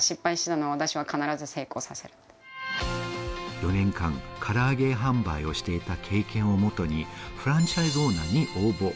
４年間、唐揚げ販売をしていた経験をもとにフランチャイズオーナーに応募。